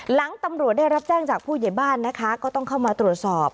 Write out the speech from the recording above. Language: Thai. หลังตำรวจได้รับแจ้งจากผู้ใหญ่บ้านนะคะก็ต้องเข้ามาตรวจสอบ